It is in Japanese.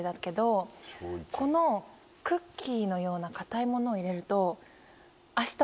このクッキーのような硬いものを入れると。